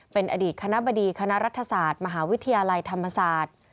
เป็นอดีตคณะบดีคณะรัฐศาสตร์มหาวิทยาลัยธรรมศาสตร์